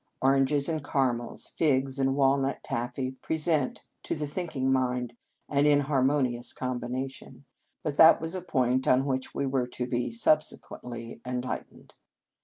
Oranges and caramels, figs and wal nut taffy present, to the thinking mind, an inharmonious combination; but that was a point on which we were to be subsequently enlightened.